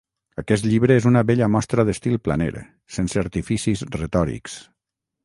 Aquest llibre és una bella mostra d’estil planer, sense artificis retòrics.